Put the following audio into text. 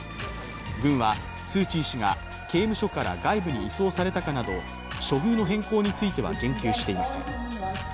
軍はスー・チー氏が刑務所から外部に移送されたかなど処遇の変更については言及していません。